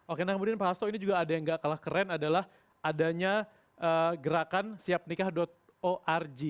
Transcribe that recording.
oke nah kemudian pak hasto ini juga ada yang gak kalah keren adalah adanya gerakan siapnikah org